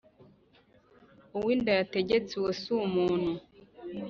uwo inda yategetse uwo si umuntu